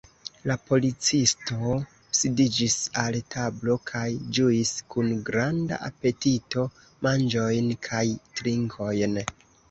La policisto sidiĝis al tablo kaj ĝuis kun granda apetito manĝojn kaj trinkojn.